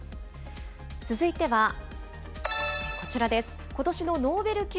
続いてはこちらです。